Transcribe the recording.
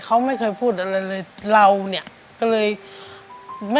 สามีก็ต้องพาเราไปขับรถเล่นดูแลเราเป็นอย่างดีตลอดสี่ปีที่ผ่านมา